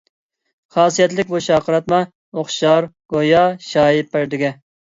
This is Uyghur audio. خاسىيەتلىك بۇ شارقىراتما، ئوخشار گويا شايى پەردىگە.